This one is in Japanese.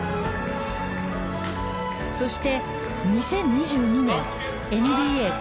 そして２０２２年ＮＢＡ５年目。